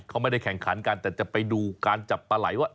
เขาไม่ได้แข่งขันกันแต่จะไปดูการจับปลาไหล่ว่า